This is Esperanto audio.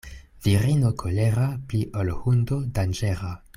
Virino kolera pli ol hundo danĝera.